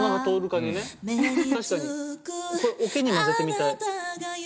確かにこれオケに混ぜてみたい。